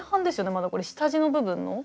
まだこれ下地の部分の。